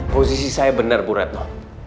posisi saya benar bu retno